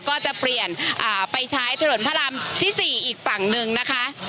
ก็จะเปลี่ยนไปใช้ถนนพระรามที่๔อีกฝั่งหนึ่งนะคะ